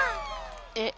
えっ。